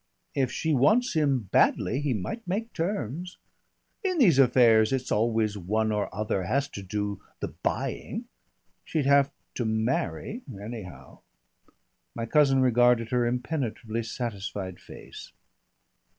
"If she wants him badly he might make terms. In these affairs it's always one or other has to do the buying. She'd have to marry anyhow." My cousin regarded her impenetrably satisfied face.